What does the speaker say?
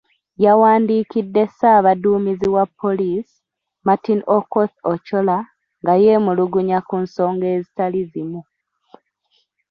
Yawandiikidde ssaabaduumizi wa poliisi, Martin Okoth Ochola, nga yeemulugunya ku nsonga ezitali zimu.